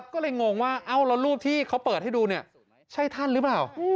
ก็เลยงงว่ารูปที่เขาเปิดให้ดูใช่ท่านหรือเปล่า